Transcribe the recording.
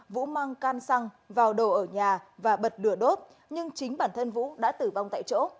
vũ mang can xăng vào đồ ở nhà và bật lửa đốt nhưng chính bản thân vũ đã tử vong tại chỗ